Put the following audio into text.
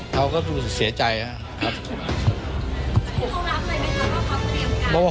เขาก็ดูเสียใจนะครับ